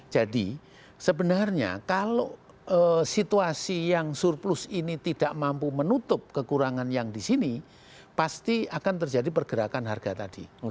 jadi sebenarnya kalau situasi yang surplus ini tidak mampu menutup kekurangan yang di sini pasti akan terjadi pergerakan harga tadi